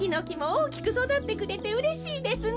おおきくそだってくれてうれしいですね。